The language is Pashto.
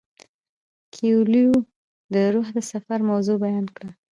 کویلیو د روح د سفر موضوع بیان کړه.